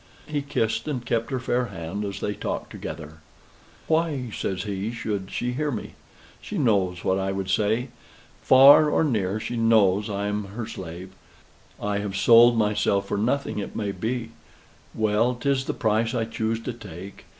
He kissed and kept her fair hand, as they talked together. "Why," says he, "should she hear me? She knows what I would say. Far or near, she knows I'm her slave. I have sold myself for nothing, it may be. Well, 'tis the price I choose to take.